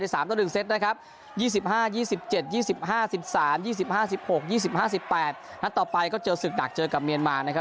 นัดต่อไปก็เจอศึกหนักเจอกับเมียนมานะครับ